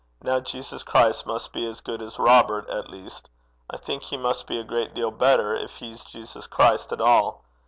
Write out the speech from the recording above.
Now Jesus Christ must be as good as Robert at least. I think he must be a great deal better, if he's Jesus Christ at all.